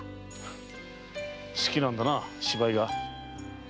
好きなんだな芝居が。